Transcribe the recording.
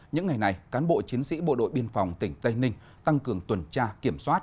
những ngày này cán bộ chiến sĩ bộ đội biên phòng tỉnh tây ninh tăng cường tuần tra kiểm soát